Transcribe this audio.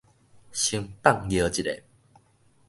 先放尿一下